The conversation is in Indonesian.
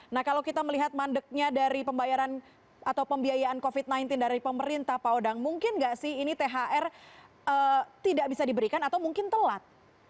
nah kalau kita melihat mandeknya dari pembayaran atau pembiayaan covid sembilan belas dari pemerintah pak odang mungkin nggak sih ini thr tidak bisa diberikan atau mungkin telat